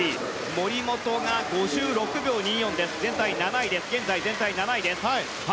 森本が５６秒２４で現在全体７位です。